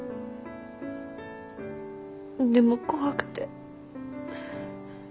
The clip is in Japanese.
でも怖くて